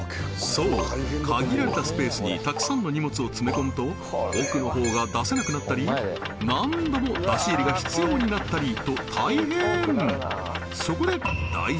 そう限られたスペースにたくさんの荷物を詰め込むと奥のほうが出せなくなったり何度も出し入れが必要になったりと大変！